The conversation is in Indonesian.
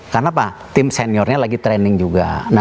karena pak tim seniornya lagi training juga